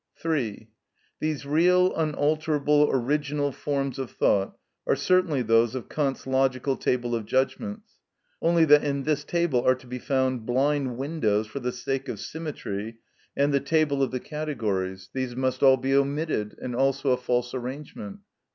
(3.) These real, unalterable, original forms of thought are certainly those of Kant's logical table of judgments; only that in this table are to be found blind windows for the sake of symmetry and the table of the categories; these must all be omitted, and also a false arrangement.